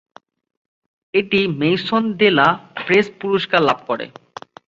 এটি Maison de la Presse পুরস্কার লাভ করে।